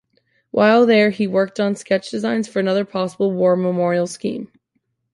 While there he worked on sketch designs for another possible war memorial scheme.